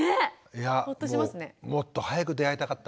いやもっと早く出会いたかった。